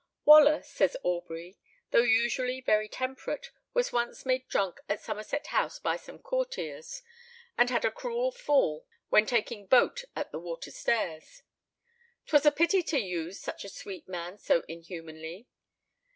Waller, says Aubrey, though usually very temperate, was once made drunk at Somerset House by some courtiers, and had a cruel fall when taking boat at the water stairs, "'Twas a pity to use such a sweet man so inhumanly."